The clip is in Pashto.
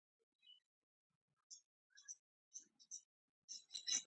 په بیوروکراسي کې د وړاندوينې وړ پایلې لپاره قانون کاریږي.